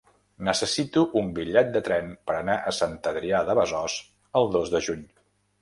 Necessito un bitllet de tren per anar a Sant Adrià de Besòs el dos de juny.